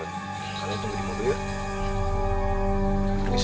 kalian tunggu di mobil ya